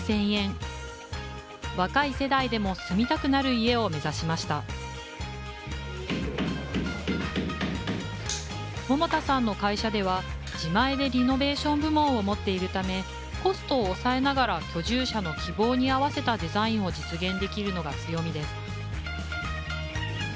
若い世代でも住みたくなる家を目指しました桃田さんの会社では自前でリノベーション部門を持っているためコストを抑えながら居住者の希望に合わせたデザインを実現できるのが強みです